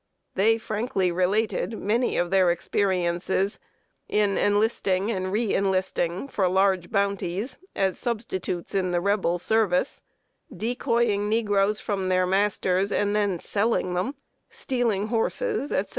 They frankly related many of their experiences in enlisting and re enlisting for large bounties as substitutes in the Rebel service; decoying negroes from their masters, and then selling them; stealing horses, etc.